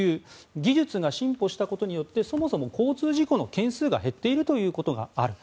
技術が進歩したことによってそもそも交通事故の件数が減っているということがある。